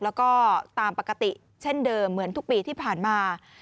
แล้วก็ตามปกติเช่นเดิมเหมือนทุกปีที่ผ่านมา